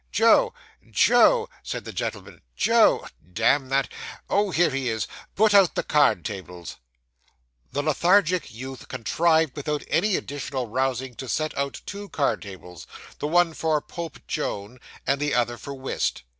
'Joe, Joe!' said the gentleman; 'Joe damn that oh, here he is; put out the card tables.' The lethargic youth contrived without any additional rousing to set out two card tables; the one for Pope Joan, and the other for whist.